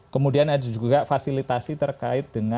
kemudian ada juga fasilitasi terkait dengan